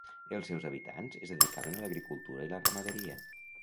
Els seus habitants es dedicaven a l'agricultura i la ramaderia.